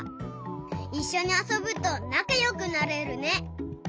いっしょにあそぶとなかよくなれるね！